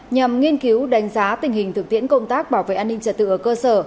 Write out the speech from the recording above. nhằm nghiên cứu đánh giá tình hình thực tiễn công tác bảo vệ an ninh trật tự ở cơ sở